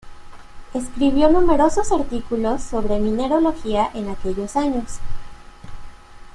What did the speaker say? Escribió numerosos artículos sobre mineralogía en aquellos años.